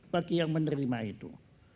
bagi yang menerima itu